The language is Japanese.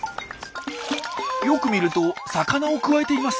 よく見ると魚をくわえています！